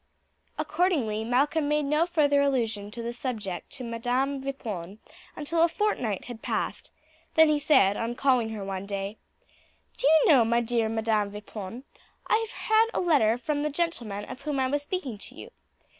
Accordingly Malcolm made no further allusion to the subject to Madame Vipon until a fortnight had passed; then he said, on calling on her one day: "Do you know, my dear Madam Vipon, I have had a letter from the gentleman of whom I was speaking to you.